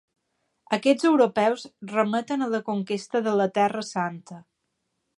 Aquests europeus remeten a la conquesta de la Terra Santa.